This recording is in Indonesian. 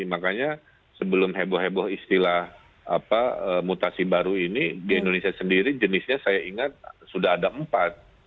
makanya sebelum heboh heboh istilah mutasi baru ini di indonesia sendiri jenisnya saya ingat sudah ada empat